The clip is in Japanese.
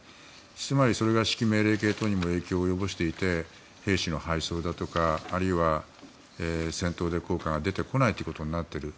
つまりそれが指揮系統命令にも影響を及ぼしていて兵士の敗走だとかあるいは戦闘で効果が出てこないということになってきている。